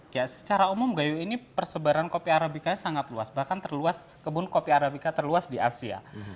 ya secara umum gayu ini persebaran kopi arabica sangat luas bahkan terluas kebun kopi arabica terluas di asia